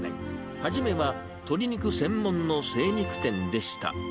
初めは鶏肉専門の精肉店でした。